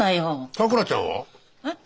さくらちゃんは？えっ？